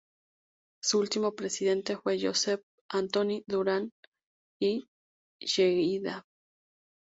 Su último presidente fue Josep Antoni Duran i Lleida.